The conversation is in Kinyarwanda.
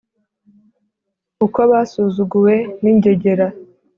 Uko basuzuguwe n’ingegera !